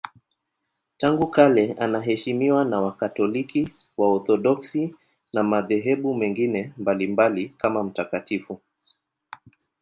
Tangu kale anaheshimiwa na Wakatoliki, Waorthodoksi na madhehebu mengine mbalimbali kama mtakatifu.